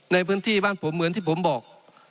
ในพื้นที่บ้านผมเหมือนที่ผมบอก